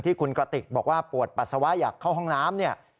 ที่คุณกระติกบอกว่าปวดปัสสาวะอยากเข้าห้องน้ำเนี่ย